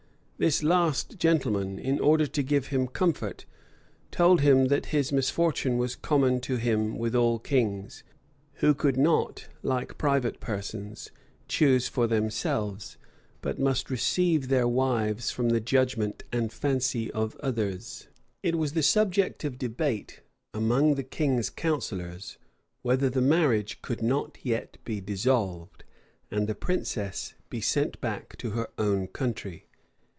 This last gentleman, in order to give him comfort, told him, that his misfortune was common to him with all kings, who could not, like private persons, choose for themselves, but must receive their wives from the judgment and fancy of others. It was the subject of debate among the king's counsellors, whether the marriage could not yet be dissolved, and the princess be sent back to her own country.